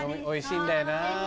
おいしいんだよなぁ。